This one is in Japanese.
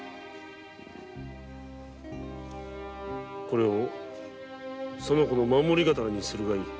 これをその子の守り刀にするがいい。